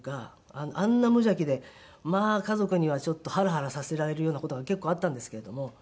あんな無邪気で家族にはちょっとハラハラさせられるような事が結構あったんですけれども。